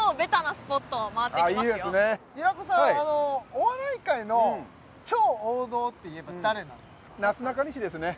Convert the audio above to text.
お笑い界の超王道といえば誰なんですか？